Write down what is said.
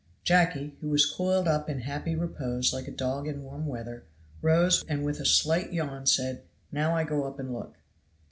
Jacky, who was coiled up in happy repose like a dog in warm weather, rose and with a slight yawn said, "Now I go up and look."